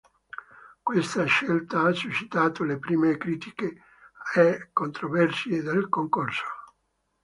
Questa scelta ha suscitato le prime critiche e controversie del concorso.